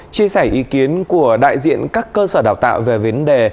chia sẻ ý kiến của đại diện các cơ sở đào tạo về vấn đề